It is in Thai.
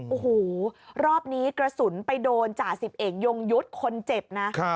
โอ้โหรอบนี้กระสุนไปโดนจ่าสิบเอกยงยุทธ์คนเจ็บนะ